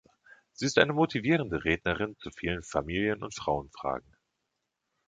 Sie ist eine motivierende Rednerin zu vielen Familien- und Frauenfragen.